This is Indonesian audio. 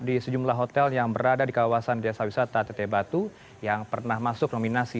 di sejumlah hotel yang berada di kawasan desa wisata teteh batu yang pernah masuk nominasi